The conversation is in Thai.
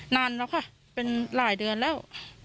นานแล้วค่ะเป็นหลายเดือนแล้ว